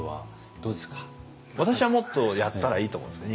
私はもっとやったらいいと思うんですね。